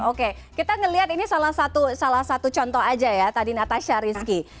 oke kita melihat ini salah satu contoh aja ya tadi natasha rizky